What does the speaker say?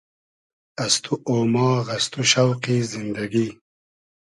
از تو اۉماغ از تو شۆقی زیندئگی